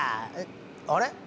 あれ？